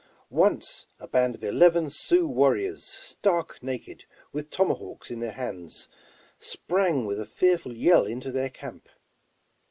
Once a band of eleven Sioux warriors, stark naked, with tomahawks in their hands, sprang with a fearful yell into their camp.